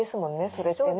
それってね。